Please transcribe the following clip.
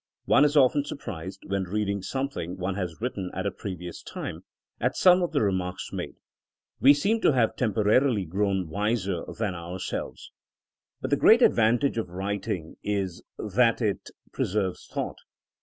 One is often surprised, when reading something one has written at a previous time, at some of the re marks made. We seem to have temporarily grown wiser than ourselves. But the great advantage of writing is that it 191 192 THINKINO AS A SCIENCE preserves thought.